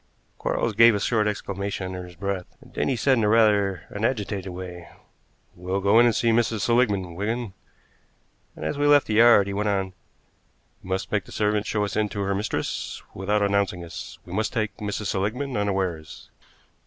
Quarles gave a short exclamation underneath his breath, and then he said in rather an agitated way: "Well go in and see Mrs. Seligmann, Wigan." And as we left the yard he went on: "You must make the servant show us in to her mistress without announcing us. We must take Mrs. Seligmann unawares."